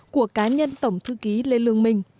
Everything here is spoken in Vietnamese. của cá nhân tổng thư ký lê lương minh